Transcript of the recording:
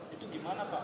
itu bagaimana pak